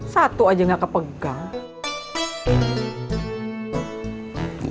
satu aja gak kepegang